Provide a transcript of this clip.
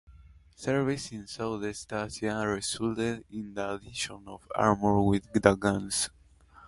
Service in southeast Asia resulted in the addition of armor with the guns.